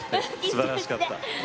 すばらしかった。